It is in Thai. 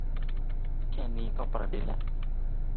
แค่นี้ก็เป็นประเด็นละ